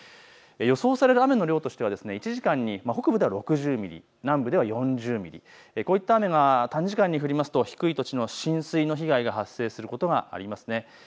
予想される雨の量としては１時間に北部では６０ミリ、南部では４０ミリ、こういった雨が短時間に降りますと低い土地の浸水の被害が発生することがあります。